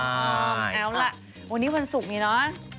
เอาล่ะวันนี้วันศุกร์นี้เนอะ